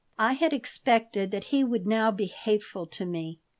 I had expected that he would now be hateful to me.